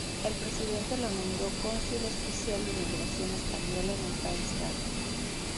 El presidente lo nombró cónsul especial de emigración española en el país galo.